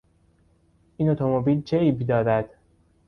این اتومبیل چه عیبی دارد؟